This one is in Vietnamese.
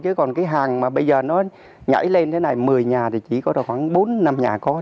chứ còn cái hàng mà bây giờ nó nhảy lên thế này một mươi nhà thì chỉ có được khoảng bốn năm nhà có